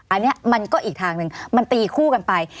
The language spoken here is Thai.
อันนี้มันก็อีกทางหนึ่งมันตีคู่กันไป